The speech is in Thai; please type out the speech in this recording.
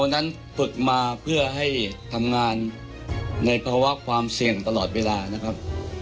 นั้นฝึกมาเพื่อให้ทำงานในภาวะความเสี่ยงตลอดเวลานะครับ